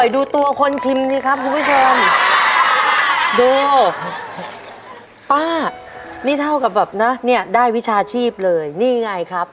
ดูป้านี่เท่ากับแบบแบบเนี้ยได้วิชาชีพเลยนี่ไงครับ